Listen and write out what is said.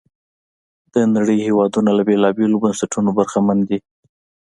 د نړۍ هېوادونه له بېلابېلو بنسټونو برخمن دي.